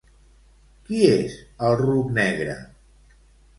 Qui és el ruc negre?